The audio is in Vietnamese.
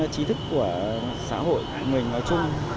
tri thức của xã hội của mình